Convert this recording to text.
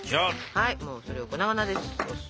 はいもうそれを粉々です。